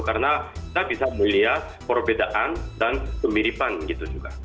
karena kita bisa melihat perbedaan dan kemiripan gitu juga